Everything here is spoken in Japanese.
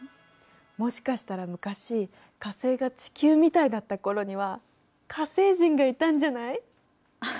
もしかしたら昔火星が地球みたいだった頃には火星人がいたんじゃない？